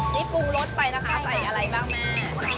นี่ปรุงรสไปนะคะใส่อะไรบ้างแม่